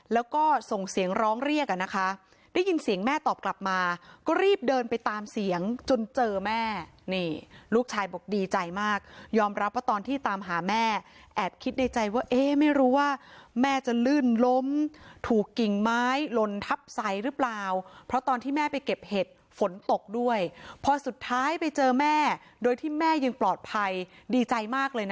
แล้วก็ส่งเสียงร้องเรียกอ่ะนะคะได้ยินเสียงแม่ตอบกลับมาก็รีบเดินไปตามเสียงจนเจอแม่นี่ลูกชายบอกดีใจมากยอมรับว่าตอนที่ตามหาแม่แอบคิดในใจว่าเอ๊ะไม่รู้ว่าแม่จะลื่นล้มถูกกิ่งไม้ลนทับใสหรือเปล่าเพราะตอนที่แม่ไปเก็บเห็ดฝนตกด้วยพอสุดท้ายไปเจอแม่โดยที่แม่ยังปลอดภัยดีใจมากเลยนะ